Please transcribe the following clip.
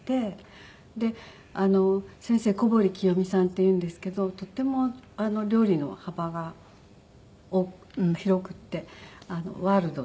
で先生小堀紀代美さんっていうんですけどとても料理の幅が広くってワールドっていうか。